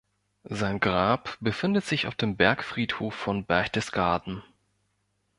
Sein Grab befindet sich auf dem Bergfriedhof von Berchtesgaden.